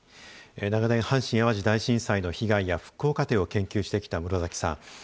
長年、阪神・淡路大震災の被害や復興過程を研究してきた室崎さん。